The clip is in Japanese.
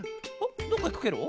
どっかいくケロ？